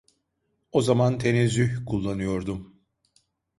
O zaman tenezzüh kullanıyordum.